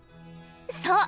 そう！